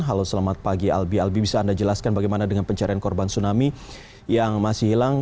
halo selamat pagi albi albi bisa anda jelaskan bagaimana dengan pencarian korban tsunami yang masih hilang